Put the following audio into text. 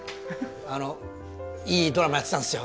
いいドラマやってたんですよ